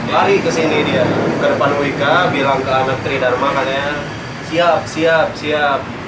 lari ke sini dia ke depan wk bilang ke amatiridarmakannya siap siap siap